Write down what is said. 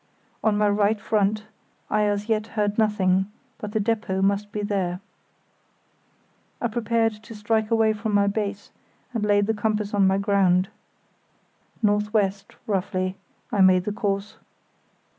On my right front I as yet heard nothing, but the depôt must be there. I prepared to strike away from my base, and laid the compass on the ground—NW. roughly I made the course.